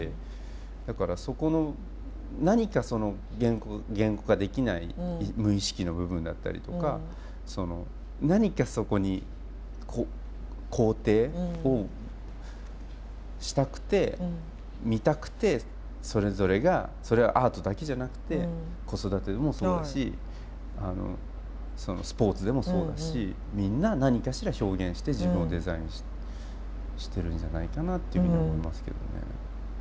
だからそこの何かその言語化できない無意識の部分だったりとか何かそこに肯定をしたくて見たくてそれぞれがそれはアートだけじゃなくて子育てでもそうだしスポーツでもそうだしみんな何かしら表現して自分をデザインしてるんじゃないかなっていうふうに思いますけどね。